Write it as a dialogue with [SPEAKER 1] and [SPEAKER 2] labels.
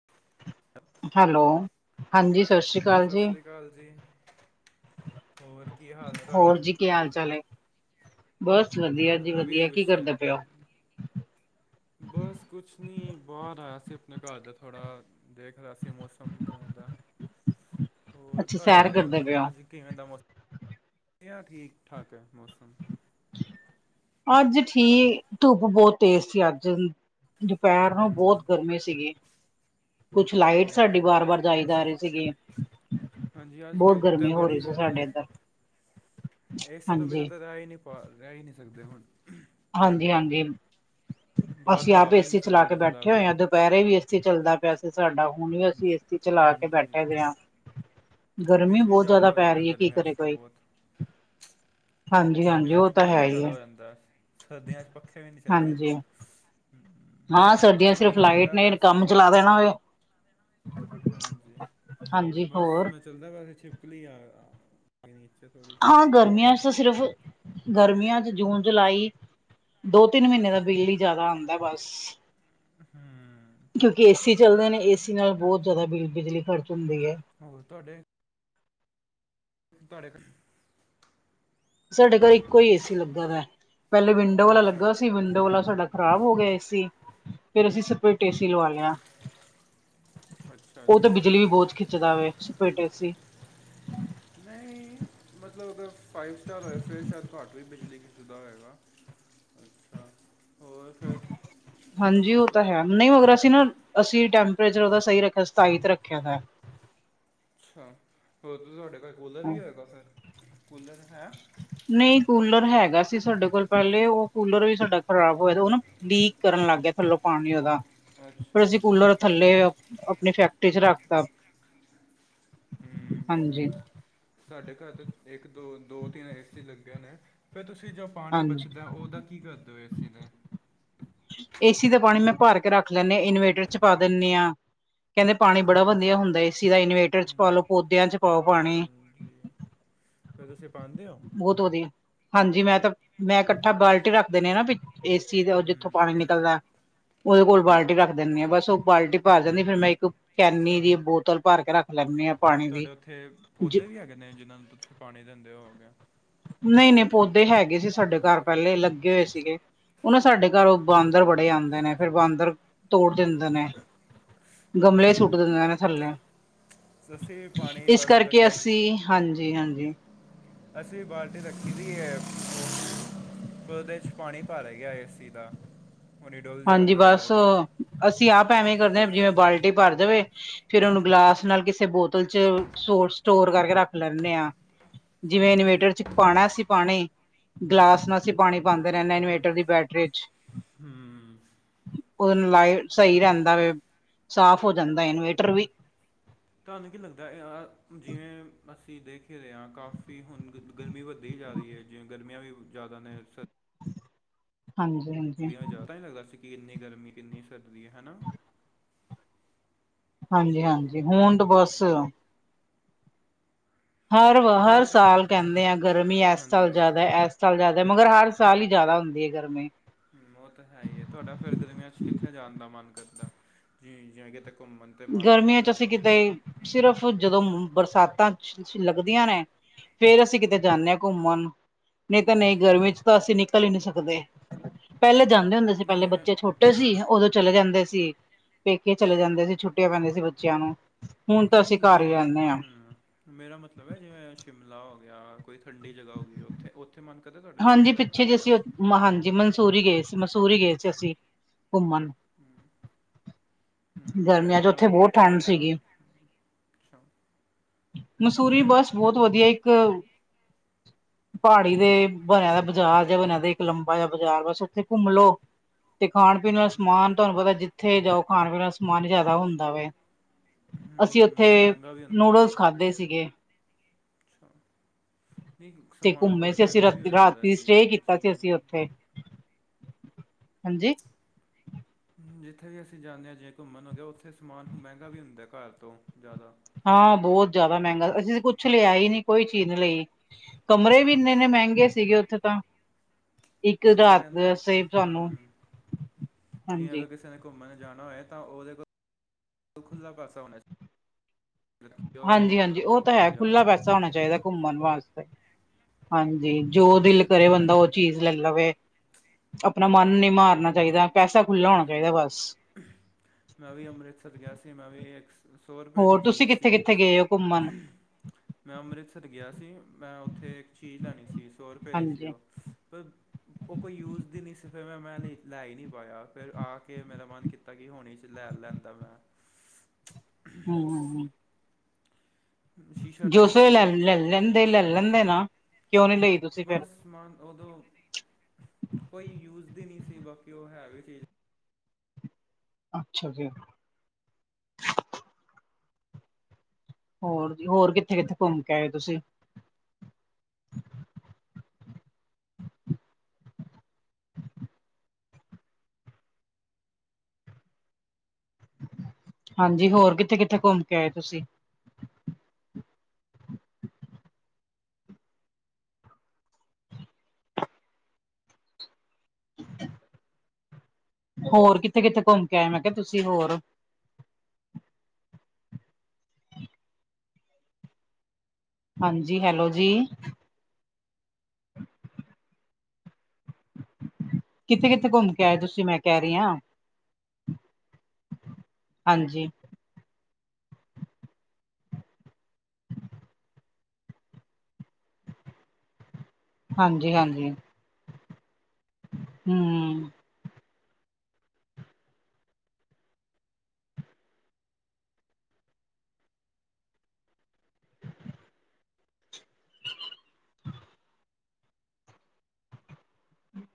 [SPEAKER 1] [inaudible]
[SPEAKER 2] Hello ਹਾਂਜੀ। ਸਤਿ ਸ਼੍ਰੀ
[SPEAKER 1] ਹਾਂਜੀ
[SPEAKER 2] ਅਕਾਲ ਜੀ,
[SPEAKER 1] ਸਾਸਰੀ ਕਾਲ ਜੀ। ਹੋਰ ਕੀ ਹਾਲ ਨੇ
[SPEAKER 2] ਹੋਰ
[SPEAKER 1] ਤੁਹਾਡੇ?
[SPEAKER 2] ਜੀ ਕੀ ਹਾਲ ਚਾਲ ਏ? ਬਸ ਵਧੀਆ ਜੀ
[SPEAKER 1] ਮੈਂ ਵੀ
[SPEAKER 2] ਵਧੀਆ,
[SPEAKER 1] ਇਹੀ
[SPEAKER 2] ਕੀ ਕਰਦੇ
[SPEAKER 1] ਪੁੱਛਿਆ
[SPEAKER 2] ਪਏ ਓ?
[SPEAKER 1] ਹਾਂਜੀ। ਬਸ ਕੁਛ ਨੀ ਬਾਰ ਆਇਆ ਅਸੀਂ ਆਪਣੇ ਘਰ ਦਾ ਥੋੜ੍ਹਾ ਦੇਖ ਰਿਹਾ ਸੀ ਮੌਸਮ ਕਿਵੇਂ ਦਾ
[SPEAKER 2] [inaudible]
[SPEAKER 1] ਹੋਰ
[SPEAKER 2] ਅੱਛਾ
[SPEAKER 1] ਤੁਹਾਡੇ
[SPEAKER 2] ਸੈਰ
[SPEAKER 1] ਉੱਥੇ
[SPEAKER 2] ਕਰਦੇ ਪਏ ਓ,
[SPEAKER 1] ਅੱਜ ਕਿਵੇਂ ਦਾ ਮੌਸਮ, ਠੀਕ ਠਾਕ ਆ ਮੌਸਮ।
[SPEAKER 2] ਅੱਜ ਠੀ, ਧੁੱਪ ਬਹੁਤ ਤੇਜ਼ ਸੀ ਅੱਜ ਵੀ ਦੁਪਹਿਰ ਨੂੰ ਬਹੁਤ
[SPEAKER 1] ਹਮ
[SPEAKER 2] ਗਰਮੀ ਸੀਗੀ। ਕੁਛ ਲਾਈਟ ਸਾਡੀ
[SPEAKER 1] ਹਾਂਜੀ
[SPEAKER 2] ਵਾਰ-ਵਾਰ ਜਾਈ ਜਾ ਰਹੀ ਸੀਗੀ।
[SPEAKER 1] ਹਾਂਜੀ ਅੱਜ
[SPEAKER 2] ਬਹੁਤ
[SPEAKER 1] ਧੁੱਪ ਤੇ
[SPEAKER 2] ਗਰਮੀ ਹੋ
[SPEAKER 1] ਬੜੀ
[SPEAKER 2] ਰਹੀ ਸੀ
[SPEAKER 1] ਜ਼ਿਆਦਾ
[SPEAKER 2] ਸਾਡੇ
[SPEAKER 1] ਐ,
[SPEAKER 2] ਇੱਧਰ,
[SPEAKER 1] ਏਸੀ ਤੋਂ ਬਿਨਾਂ
[SPEAKER 2] ਹਾਂਜੀ।
[SPEAKER 1] ਤਾਂ ਰਹਿ ਈ ਨੀ ਪਾ ਰਹਿ ਈ ਨੀ ਸਕਦੇ ਹੁਣ
[SPEAKER 2] ਹਾਂਜੀ ਹਾਂਜੀ,
[SPEAKER 1] ਬਾਹਰ
[SPEAKER 2] ਅਸੀਂ
[SPEAKER 1] ਹਵਾ
[SPEAKER 2] ਆਪ
[SPEAKER 1] ਵੀ ਨਹੀਂ
[SPEAKER 2] ਏਸੀ ਚਲਾ
[SPEAKER 1] ਚੱਲ
[SPEAKER 2] ਕੇ
[SPEAKER 1] ਰਹੀ ਜ਼ਰਾ
[SPEAKER 2] ਬੈਠੇ ਹੋਏ
[SPEAKER 1] ਵੀ
[SPEAKER 2] ਆ ਅ ਦੁਪਹਿਰੇ ਵੀ ਏਸੀ ਚੱਲਦਾ ਪਿਆ ਸੀ ਸਾਡਾ ਹੁਣ ਵੀ ਅਸੀਂ ਏਸੀ ਚਲਾ ਕੇ
[SPEAKER 1] ਹਾਂਜੀ
[SPEAKER 2] ਬੈਠੇ ਹੋਏ ਆ। ਗਰਮੀ
[SPEAKER 1] ਬਿੱਲ ਵੀ
[SPEAKER 2] ਬਹੁਤ ਜ਼ਿਆਦਾ
[SPEAKER 1] ਹੋ
[SPEAKER 2] ਪੈ
[SPEAKER 1] ਜਾਂਦਾ
[SPEAKER 2] ਰੀ ਐ ਕੀ
[SPEAKER 1] ਗਰਮੀਆਂ
[SPEAKER 2] ਕਰੇ
[SPEAKER 1] 'ਚ ਤਾਂ
[SPEAKER 2] ਕੋਈ ਹਾਂਜੀ-ਹਾਂਜੀ
[SPEAKER 1] ਗਰਮੀਆਂ
[SPEAKER 2] ਉਹ
[SPEAKER 1] ਵਿੱਚ
[SPEAKER 2] ਤਾਂ
[SPEAKER 1] ਬਿੱਲ
[SPEAKER 2] ਹੈ
[SPEAKER 1] ਵੀ
[SPEAKER 2] ਈ
[SPEAKER 1] ਜ਼ਿਆਦਾ
[SPEAKER 2] ਏ,
[SPEAKER 1] ਹੋ ਜਾਂਦਾ, ਸਰਦੀਆਂ ਵਿੱਚ ਪੱਖੇ ਵੀ ਨੀ ਚਲਦੇ।
[SPEAKER 2] ਹਾਂਜੀ। ਹਾਂ, ਸਰਦੀਆਂ ਚ ਸਿਰਫ ਲਾਈਟ ਨੇ ਕੰਮ ਚਲਾ ਦੇਣਾ ਐ।
[SPEAKER 1] ਹਾਂਜੀ,
[SPEAKER 2] ਹਾਂਜੀ
[SPEAKER 1] ਬਸ
[SPEAKER 2] ਹੋਰ
[SPEAKER 1] ਮੈਂ ਚੱਲਦਾ ਵੈਸੇ ਛਿਪਕ ਲਈ ਆ, ਆ ਗਈ ਨੀਚੇ ਥੋੜ੍ਹੀ।
[SPEAKER 2] ਹਾਂ ਗਰਮੀਆਂ ਚ ਤਾਂ ਸਿਰਫ, ਗਰਮੀਆਂ ਚ ਜੂਨ ਜੁਲਾਈ। ਦੋ ਤਿੰਨ ਮਹੀਨੇ ਦਾ ਬਿੱਲ ਈ ਜ਼ਿਆਦਾ ਆਦਾ ਬਸ।
[SPEAKER 1] ਹੂੰ,
[SPEAKER 2] ਕਿਉਂਕਿ ਏਸੀ ਚੱਲਦੇ ਨੇ ਏ ਸੀ ਨਾਲ ਬਹੁਤ ਜ਼ਿਆਦਾ ਬਿਜਲੀ ਖਰਚ ਹੁੰਦੀ ਐ।
[SPEAKER 1] ਹੋਰ ਤੁਹਾਡੇ, ਤੁਹਾਡੇ ਘਰ,
[SPEAKER 2] ਸਾਡੇ ਘਰ ਇੱਕੋ ਹੀ ਏਸੀ ਲੱਗਾ ਗਾ, ਪਹਿਲੇ ਵਿੰਡੋ ਵਾਲਾ
[SPEAKER 1] ਅੱਛਾ
[SPEAKER 2] ਲੱਗਾ ਸੀ ਵਿੰਡੋ ਵਾਲਾ ਸਾਡਾ ਖਰਾਬ ਹੋ ਗਿਆ ਏ ਸੀ, ਫੇਰ ਅਸੀਂ ਸਪਰੇਟ ਏ ਸੀ ਲਵਾਇਆ
[SPEAKER 1] ਅੱਛਾ
[SPEAKER 2] ਉਹ
[SPEAKER 1] ਜੀ
[SPEAKER 2] ਤੇ ਬਿਜਲੀ ਬਹੁਤ ਖਿੱਚਦਾ ਵੇ, ਸਪੇਰਟ ਏ ਸੀ।
[SPEAKER 1] ਨਹੀਂ, ਮਤਲਬ ਫਾਈਵ ਸਟਾਰ ਹੋਏ ਫੇਰ ਸ਼ਾਇਦ ਘੱਟ ਵੀ ਬਿਜਲੀ ਖਿੱਚਦਾ ਹੋਏਗਾ। ਅੱਛਾ, ਹੋਰ ਫੇਰ
[SPEAKER 2] ਹਾਂਜੀ, ਉਹ ਤਾਂ ਹੈ, ਨਹੀਂ ਮਗਰ ਅਸੀਂ ਨਾ। ਅਸੀਂ ਟੈਂਪਰੇਚਰ ਉਹਦਾ ਸਹੀ ਰੱਖਿਆ, ਸਤਾਈ ਤੇ ਰੱਖਿਆ ਗਾ,
[SPEAKER 1] ਅੱਛਾ, ਹੋਰ ਤਾਂ ਤੁਹਾਡੇ ਕੋਲ ਕੂਲਰ ਵੀ ਹੈਗਾ ਫੇਰ, ਕੂਲਰ ਹੈ।
[SPEAKER 2] ਨਹੀਂ ਕੂਲਰ ਹੈਗਾ ਸੀ ਸਾਡੇ ਕੋਲ ਪੈਲੇ, ਉਹ ਕੂਲਰ ਵੀ ਸਾਡਾ ਖ਼ਰਾਬ ਹੋਇਆ, ਉਹ ਨਾ ਲੀਕ ਕਰਨ ਲੱਗ ਗਿਆ, ਥੱਲੋ ਪਾਨੀ ਉਹਦਾ, ਫੇਰ
[SPEAKER 1] ਅੱਛਾ
[SPEAKER 2] ਅਸੀਂ
[SPEAKER 1] ਜੀ
[SPEAKER 2] ਕੂਲਰ ਥੱਲੇ, ਆਪਣੀ ਫੈਕਟਰੀ 'ਚ ਰੱਖਤਾ।
[SPEAKER 1] ਹਮ- ਹਮ।
[SPEAKER 2] ਹਾਂਜੀ
[SPEAKER 1] ਸਾਡੇ ਘਰ ਤੇ ਇੱਕ- ਦੋ, ਦੋ- ਤਿੰਨ ਏਸੀ ਲੱਗੇ ਨੇ, ਫੇਰ ਤੁਸੀਂ ਜੋ, ਪਾਣੀ
[SPEAKER 2] ਹਾਂਜੀ
[SPEAKER 1] ਬਚਦਾ, ਉਹਦਾ ਕੀ ਕਰਦੇ ਓ ਏਸੀ ਦਾ।
[SPEAKER 2] ਏਸੀ ਦਾ ਪਾਣੀ ਮੈਂ ਭਰ ਕੇ ਰੱਖ ਲੈਂਣੇ, ਇਨਵੇਟਰ 'ਚ ਪਾ ਦਿੰਦੇ ਆਂ। ਕਹਿੰਦੇ ਪਾਨੀ ਬੜਾ ਵਧੀਆ ਹੁੰਦਾ ਏ ਸੀ ਦਾ, ਇਨੀਵੇਟਰ 'ਚ
[SPEAKER 1] ਹਾਂਜੀ
[SPEAKER 2] ਪਾਲੋ ਪੌਦਿਆਂ 'ਚ, ਪਾਓ ਪਾਣੀ
[SPEAKER 1] ਹਾਂਜੀ, ਫੇਰ ਤੁਸੀਂ ਪਾਂਦੇ ਓ।
[SPEAKER 2] ਬਹੁਤ ਵਧੀਆ, ਹਾਂਜੀ ਮੈਂ ਤਾਂ, ਮੈਂ ਇਕੱਠਾ ਬਾਲਟੀ ਰੱਖਦੇ ਨੇ ਵੀ ਨਾ, ਏਸੀ ਦੇ, ਉਹ ਜਿੱਥੋਂ
[SPEAKER 1] ਹਮ
[SPEAKER 2] ਪਾਣੀ ਨਿਕਲਦਾ। ਉਹਦੇ ਕੋਲ ਬਾਲਟੀ ਰੱਖ ਦਿੰਦੀ ਆਂ, ਬਸ ਉਹ ਬਾਲਟੀ ਭਰ ਜਾਂਦੀ, ਫੇਰ ਮੈਂ ਇੱਕ ਕੈਨੀ ਦੀ
[SPEAKER 1] ਅੱਛਾ,
[SPEAKER 2] ਬੋਤਲ ਭਰ ਕੇ ਰੱਖ ਲੈਂਦੀ ਹਾਂ
[SPEAKER 1] ਤੇ
[SPEAKER 2] ਪਾਣੀ ਦੀ
[SPEAKER 1] ਤਾਡੇ ਉੱਥੇ,
[SPEAKER 2] ਜ
[SPEAKER 1] ਪੌਦੇ ਵੀ ਹੈਗੇ ਨੇ ਜਿਹਨਾਂ ਨੂੰ ਤੁਸੀਂ ਪਾਣੀ ਦਿੰਦੇ ਹੋਊਗੇ।
[SPEAKER 2] ਨਹੀਂ -ਨਹੀਂ, ਪੌਦੇ ਹੈਗੇ ਸੀ ਸਾਡੇ ਘਰ ਪਹਿਲੇ ਲੱਗ। ਲੱਗੇ ਹੋਏ ਸੀਗੇ,
[SPEAKER 1] ਅੱਛਾ
[SPEAKER 2] ਉਹ ਨਾ ਸਾਡੇ ਘਰ
[SPEAKER 1] ਬਣਦਾ ਕੰਮ ਹੈ
[SPEAKER 2] ਬਾਂਦਰ ਬੜੇ ਆਂਦੇ ਨੇ, ਫੇਰ ਬਾਂਦਰ ਤੋੜ ਦਿੰਦੇ ਨੇ, ਗਮਲੇ
[SPEAKER 1] ਹਾਂਜੀ
[SPEAKER 2] ਸੁੱਟ ਦੇਂਦੇ ਨੇ ਥੱਲੇ,
[SPEAKER 1] ਅਸੀਂ ਵੀ ਪਾਣੀ
[SPEAKER 2] ਇਸ
[SPEAKER 1] ਬਸ
[SPEAKER 2] ਕਰਕੇ
[SPEAKER 1] ਰੱਖਿਆ ਦੀ
[SPEAKER 2] ਅਸੀਂ,
[SPEAKER 1] ਹਮ
[SPEAKER 2] ਹਾਂਜੀ- ਹਾਂਜੀ।
[SPEAKER 1] ਅਸੀਂ ਬਾਲਟੀ ਰੱਖੀ ਦੀ ਹੈ, ਉਹਦੇ 'ਚ ਪਾਣੀ ਪਾ ਲਿਆ ਏ ਸੀ ਦਾ, ਹੁਣੀ ਡੁਲ ਜਾਏਗਾ
[SPEAKER 2] ਹਾਂਜੀ
[SPEAKER 1] ਥੋੜ੍ਹੀ ਦੇਰ
[SPEAKER 2] ਬਸ
[SPEAKER 1] ਬਾਅਦ,
[SPEAKER 2] ਅਸੀਂ ਆਪ ਐਵੇਂ ਕਰਦੇ, ਜਿਵੇਂ ਬਾਲਟੀ ਭਰ ਜਾਵੇ। ਫੇਰ ਉਹਨੂੰ ਗਲਾਸ ਨਾਲ ਕਿਸੇ ਬੋਤਲ 'ਚ, ਸੋ ਸਟੋਰ ਕਰਕੇ ਰੱਖ ਲੈਣੇ ਆਂ, ਜਿਵੇਂ ਇਨਵੇਟਰ 'ਚ ਪਾਣਾ ਸੀ ਪਾਣੀ, ਗਲਾਸ ਨਾਲ ਅਸੀਂ ਪਾਣੀ ਪਾਂਦੇ ਰਹਿਣੇ ਇਨਵੇਟਰ ਦੀ ਬੈਟਰੀ 'ਚ
[SPEAKER 1] ਹਮ।
[SPEAKER 2] ਉਹਨ ਲਾਏ, ਸਹੀ ਰਹਿੰਦਾ ਵੇ, ਸਾਫ਼ ਹੋ ਜਾਂਦਾ ਇਨਵੇਟਰ ਵੀ।
[SPEAKER 1] ਤੁਹਾਨੂੰ ਕੀ ਲੱਗਦਾ ਆ, ਜਿਵੇਂ ਅਸੀਂ ਦੇਖ ਹੀ ਰਹੇ ਆਂ ਕਾਫੀ ਹੁਣ ਗਰਮੀ ਵੱਧਦੀ ਜਾ ਰਹੀ ਐ, ਜਿਵੇਂ ਗਰਮੀਆਂ ਵੀ ਜ਼ਿਆਦਾ ਨੇ ਸਰ
[SPEAKER 2] ਹਾਂਜੀ- ਹਾਂਜੀ।
[SPEAKER 1] ਸਰਦੀਆਂ ਵਿੱਚ ਜ਼ਿਆਦਾ ਤਾਂ ਹੀ ਲੱਗਦਾ ਸੀ ਕਿੰਨੀ ਗਰਮੀ ਕਿੰਨੀ ਸਰਦੀ ਹਨਾ।
[SPEAKER 2] ਹਾਂਜੀ- ਹਾਂਜੀ, ਹੁਨ ਤਾਂ ਬਸ ਹਰ ਵਾ, ਹਰ
[SPEAKER 1] ਤੁਹਾਡਾ ਕੀ
[SPEAKER 2] ਸਾਲ ਕਹਿੰਦੇ ਆ ਗਰਮੀ ਐਸ ਸਾਲ
[SPEAKER 1] ਹਾਂਜੀ
[SPEAKER 2] ਜ਼ਿਆਦਾ ਐਸ ਚਲ ਜ਼ਿਆਦਾ, ਮਗਰ ਹਰ ਸਾਲ ਹੀ ਜ਼ਿਆਦਾ ਹੁੰਦੀ ਐ ਗਰਮੀ।
[SPEAKER 1] ਹਮ, ਉਹ ਤੇ ਹੈ ਹੀ ਐ, ਤਾਡਾ ਫੇਰ ਗਰਮੀਆਂ 'ਚ ਕਿੱਥੇ ਜਾਣ ਦਾ ਮਨ ਕਰਦਾ, ਜੀ ਜੇ ਕਿਤੇ ਘੁੰਮਨ ਤੇ ਮਨ ਕਰਦਾ।
[SPEAKER 2] ਸਿਰਫ਼, ਜਦੋਂ ਬਰਸਾਤਾਂ 'ਚ ਲੱਗਦੀਆਂ ਨੇ ਫਿਰ ਅਸੀਂ ਕਿਤੇ ਜਾਂਦੇ ਆਂ ਘੁੰਮਣ, ਨਹੀਂ ਤਾਂ ਨਹੀਂ ਗਰਮੀ 'ਚ ਤਾਂ ਅਸੀਂ ਨਿਕਲ ਹੀ ਨਹੀਂ ਸਕਦੇ। ਪੈਲੇ ਜਾਂਦੇ ਹੁੰਦੇ ਸੀ,
[SPEAKER 1] ਨਹੀਂ
[SPEAKER 2] ਪਹਿਲੇ
[SPEAKER 1] ਜਿਵੇਂ
[SPEAKER 2] ਬੱਚੇ ਛੋਟੇ ਸੀ
[SPEAKER 1] ਹਮ
[SPEAKER 2] ਉਦੋਂ ਚਲੇ ਜਾਂਦੇ ਸੀ ਪੇਕੇ ਚਲੇ ਜਾਂਦੇ ਸੀ ਛੁੱਟੀਆਂ ਪੈਂਦੀ ਸੀ ਬੱਚਿਆਂ ਨੂੰ। ਹੁਣ ਤਾਂ ਅਸੀਂ
[SPEAKER 1] ਨਹੀ
[SPEAKER 2] ਘਰ ਹੀ
[SPEAKER 1] ਜੀਵੇ
[SPEAKER 2] ਰਹਿੰਦੇ ਹਾਂ
[SPEAKER 1] ਹਮ ਮੇਰਾ ਮਤਲਬ ਹੈ ਜਿਵੇਂ ਸ਼ਿਮਲਾ ਹੋ ਗਿਆ ਕੋਈ ਠੰਡੀ ਜਗ੍ਹਾ ਹੋ ਗਈ ਉਹ ਉੱਥੇ ਉੱਥੇ ਮਨ ਕਰਦਾ ਤੁਹਾਡੇ
[SPEAKER 2] ਹਾਂਜੀ
[SPEAKER 1] ਜਾਣਦਾ
[SPEAKER 2] ਪਿੱਛੇ ਜੇ
[SPEAKER 1] ਗਰਮੀਆਂ
[SPEAKER 2] ਅਸੀਂ
[SPEAKER 1] 'ਚ
[SPEAKER 2] ਹਾਂਜੀ ਮਨਸੂੂਰ ਹੀ ਗਏ ਸੀ ਮਸੂੂਰ ਹੀ ਗਏ ਸੀ ਅਸੀਂ ਘੁੰਮਣ
[SPEAKER 1] ਹਮ ਹਮ
[SPEAKER 2] ਗਰਮੀਆਂ ਚ
[SPEAKER 1] ਥਹਾੜਾ ਉੱਥੇ ਦਾ
[SPEAKER 2] ਬਹੁਤ
[SPEAKER 1] ਕਿਵੇਂ
[SPEAKER 2] ਠੰਢ
[SPEAKER 1] ਦਾ
[SPEAKER 2] ਸੀਗੀ ਮਸੂਰੀ ਬੱਸ ਬਹੁਤ ਵਧੀਆ ਇੱਕ ਪਹਾੜੀ ਦੇ ਬਣਿਆ ਦਾ ਬਾਜ਼ਾਰ ਜਿਹਾ ਬਣਿਆ ਦਾ ਇੱਕ ਲੰਬਾ ਜਿਹਾ ਬਾਜ਼ਾਰ ਬਸ ਉੱਥੇ ਗੁੰਮ ਲੋਓ ਤੇ ਖਾਣ ਪੀਣ ਵਾਲਾ ਸਮਾਨ
[SPEAKER 1] ਹੂੰ
[SPEAKER 2] ਤੁਹਾਨੂੰ ਪਤਾ ਜਿੱਥੇ ਜਾਓ ਖਾਣ ਪੀਣ ਵਾਲਾ ਸਮਾਨ ਜ਼ਿਆਦਾ ਹੁੰਦਾ ਵ ਅਸੀਂ
[SPEAKER 1] ਹੂੰ
[SPEAKER 2] ਉੱਥੇ
[SPEAKER 1] ਹੋਰ ਮਹਿੰਗਾ ਵੀ ਹੁੰਦਾ
[SPEAKER 2] ਨੂਡਲਸ ਖਾਧੇ ਸੀਗੇ।
[SPEAKER 1] ਅੱਛਾ ਨਹੀਂ
[SPEAKER 2] ਤੇ
[SPEAKER 1] ਸਮਾਨ
[SPEAKER 2] ਘੁੰਮੇ
[SPEAKER 1] ਹੋਰ
[SPEAKER 2] ਸੀ ਅਸੀਂ
[SPEAKER 1] ਮਹਿੰਗਾ ਵੀ ਹੋ
[SPEAKER 2] ਰਾਤੀ
[SPEAKER 1] ਜਾਂਦਾ
[SPEAKER 2] ਰਾਤੀ
[SPEAKER 1] ਜੀ
[SPEAKER 2] ਸਟੇਅ ਕੀਤਾ
[SPEAKER 1] ਜੀ
[SPEAKER 2] ਸੀ ਅਸੀਂ ਉੱਥੇ ਹਾਂਜੀ।
[SPEAKER 1] ਜਿੱਥੇ ਵੀ ਅਸੀਂ ਜਾਂਦੇ ਹਾਂ ਜੇ ਘੁੰਮਣ ਹੋ ਗਿਆ ਉੱਥੇ ਸਮਾਨ ਮਹਿੰਗਾ ਵੀ ਹੁੰਦਾ ਘਰ ਤੋਂ ਜ਼ਿਆਦਾ।
[SPEAKER 2] ਹਾਂ ਬਹੁਤ ਜ਼ਿਆਦਾ ਮਹਿੰਗਾ ਅਸੀਂ ਕੁਛ ਲਿਆ ਹੀ ਨਹੀਂ ਕੋਈ ਚੀਜ਼ ਨਹੀਂ ਲਈ। ਕਮਰੇ ਵੀ ਇੰਨੇ ਇੰਨੇ ਮਹਿੰਗੇ ਸੀਗੇ ਉੱਥੇ ਤਾਂ ਇੱਕ
[SPEAKER 1] ਬੰਦਾ
[SPEAKER 2] ਰਾਤ
[SPEAKER 1] ਕਹਿੰਦਾ
[SPEAKER 2] ਦੱਸੀਏ ਸ ਤਾਹਨੂੰ
[SPEAKER 1] ਹੂੰ ਜਿਵੇਂ
[SPEAKER 2] ਹਾਂਜੀ।
[SPEAKER 1] ਅਗਰ ਕਿਸੇ ਨੇ ਘੁੰਮਣ ਜਾਣਾ ਹੋਏ ਤਾਂ ਉਹਦੇ ਕੋਲ ਖੁੱਲ੍ਹਾ ਪਾਸਾ ਹੋਣਾ ਚਾਦਾ
[SPEAKER 2] ਹਾਂਜੀ ਹਾਂਜੀ ਉਹ ਤਾਂ
[SPEAKER 1] ਉੱਥੇ ਜਾ
[SPEAKER 2] ਖੁੱਲ੍ਹਲਾ
[SPEAKER 1] ਕੇ
[SPEAKER 2] ਪੇਸਾ ਹੋਣਾ ਚਾਹੀਦਾ ਘੁੰਮਣ ਵਾਸਤੇ ਹਾਂਜੀ ਜੋ ਦਿਲ ਕਰੇ
[SPEAKER 1] ਨਾ
[SPEAKER 2] ਬੰਦਾ
[SPEAKER 1] ਹੀ
[SPEAKER 2] ਉਹ
[SPEAKER 1] ਹਾਂਜੀ
[SPEAKER 2] ਚੀਜ਼ ਲੈ ਲਵੇ ਆਪਣਾ ਮਨ ਨੀ ਮਾਰਨਾ ਚਾਹੀਦਾ ਪੈਸਾ ਖੁੱਲਾ ਹੋਣਾ
[SPEAKER 1] ਹਾਂਜੀ
[SPEAKER 2] ਚਾਹੀਦਾ ਬਸ
[SPEAKER 1] ਮੈਂ ਵੀ ਅੰਮ੍ਰਿਤਸਰ ਗਿਆ ਸੀ ਮੈਂ ਵੀ ਇੱਕ ਸੌ ਰੁਪਏ ਦੀ
[SPEAKER 2] ਹੋਰ ਤੁਸੀਂ
[SPEAKER 1] ਚੀਜ਼ ਸੀ।
[SPEAKER 2] ਕਿੱਥੇ-ਕਿੱਥੇ ਗਏ ਹੋ ਘੁੰਮਣ
[SPEAKER 1] ਮੈਂ ਅੰਮ੍ਰਿਤਸਰ ਗਿਆ ਸੀ ਮੈਂ ਉੱਥੇ ਇੱਕ ਚੀਜ਼ ਲੈਣੀ ਸੀ ਸੌ ਰੁਪਏ ਦੀ ਸੀ
[SPEAKER 2] ਹਾਂਜੀ
[SPEAKER 1] ਉਹ ਫਿਰ ਉਹ ਕੋਈ ਯੂਜ ਦੀ ਨਹੀਂ ਸਿਫਿਰ ਮੈਂ ਮੈਂ ਲੈ ਹੀ ਨਹੀਂ ਪਾਇਆ। ਫਿਰ ਆ ਕੇ ਮੇਰਾ ਮਨ ਕੀਤਾ ਕਿ ਹੁਣੀ ਚ ਲੈ ਲੈਂਦਾ ਮੈਂ
[SPEAKER 2] ਹੂੰ
[SPEAKER 1] ਸ਼ੀਸ਼ਾ
[SPEAKER 2] ਜੋ
[SPEAKER 1] ਟਾਈਪ
[SPEAKER 2] ਸ
[SPEAKER 1] ਸੀ
[SPEAKER 2] ਲੈ ਲੈ
[SPEAKER 1] ਕੋਈ
[SPEAKER 2] ਲੈਂਦੇ ਲੈ ਲੈਂਦੇ ਨਾ ਕਿਉਂ ਨੀ ਲਈ ਤੁਸੀਂ ਫੇਰ
[SPEAKER 1] ਬਸ ਮਨ ਉਦੋਂ ਕੋਈ ਯੂਜ ਦੀ ਨਹੀ ਸੀ ਬਾਕੀ ਉਹ ਹੈ ਵੀ ਚੀਜ਼
[SPEAKER 2] ਅੱਛਾ ਜੀ। ਹੋਰ ਜੀ ਹੋਰ ਕਿੱਥੇ ਕਿੱਥੇ ਘੁੰਮ ਕੇ ਆਏ ਤੁਸੀਂ? ਹਾਂਜੀ ਹੋਰ ਕਿੱਥੇ ਕਿੱਥੇ ਘੁੰਮ ਕੇ ਆਏ ਤੁਸੀਂ? ਅ ਹੋਰ ਕਿੱਥੇ ਕਿੱਥੇ ਘੁੰਮ ਕੇ ਆਏ ਮੈਂ ਕਿਹਾ ਤੁਸੀਂ ਹੋਰ? ਹਾਂਜੀ ਹੈਲੋ ਜੀ। ਕਿੱਥੇ ਕਿੱਥੇ ਘੁੰਮ ਕੇ ਆਏ ਤੁਸੀਂ ਮੈਂ ਕਹਿ ਰਹੀ ਹਾਂ ਹਾਂਜੀ। ਹਾਂਜੀ ਹਾਂਜੀ ਹਮ।